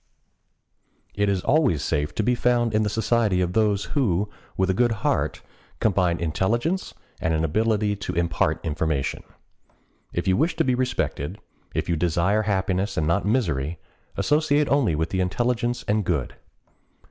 It is always safe to be found in the society of those who, with a good heart, combine intelligence and an ability to impart information. If you wish to be respected, if you desire happiness and not misery, associate only with the intelligent and good.